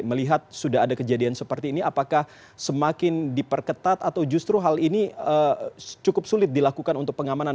melihat sudah ada kejadian seperti ini apakah semakin diperketat atau justru hal ini cukup sulit dilakukan untuk pengamanan